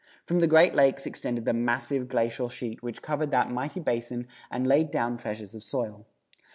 From the Great Lakes extended the massive glacial sheet which covered that mighty basin and laid down treasures of soil.